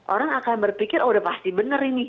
orang akan berpikir oh udah pasti bener ini